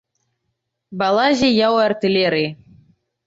Балазе я ў артылерыі.